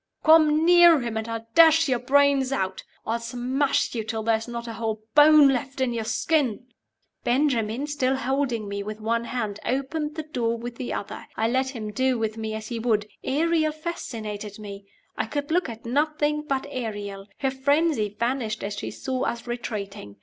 "Come near him, and I'll dash your brains out! I'll mash you till there's not a whole bone left in your skin!" Benjamin, still holding me with one hand opened the door with the other. I let him do with me as he would; Ariel fascinated me; I could look at nothing but Ariel. Her frenzy vanished as she saw us retreating.